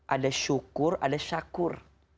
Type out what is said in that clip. ada syukur ada syakur